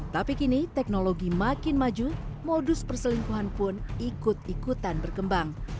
tapi kini teknologi makin maju modus perselingkuhan pun ikut ikutan berkembang